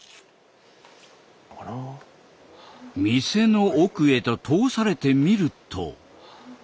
店の奥へと通されてみると。